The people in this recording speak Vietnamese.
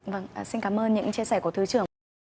vâng xin cảm ơn những chia sẻ của thứ trưởng